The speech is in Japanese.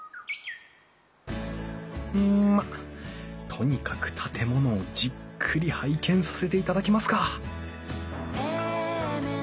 うんまあとにかく建物をじっくり拝見させていただきますか！